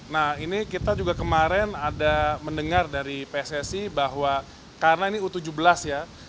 nah ini kita juga kemarin ada mendengar dari pssi bahwa karena ini u tujuh belas ya